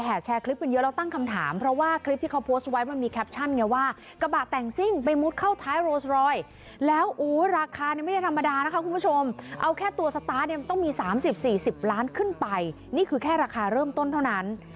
แชร์คลิปกันเยอะแล้วตั้งคำถามเพราะว่าคลิปที่เขาโพสต์ไว้มันมีแคปชั่นไงว่ากระบะแต่งซิ่งไปมุดเข้าท้ายโรสรอยแล้วราคาเนี่ยไม่ได้ธรรมดานะคะคุณผู้ชมเอาแค่ตัวสตาร์ทเนี่ยมันต้องมี๓๐๔๐ล้านขึ้นไปนี่คือแค่ราคาเริ่มต้นเท่านั้น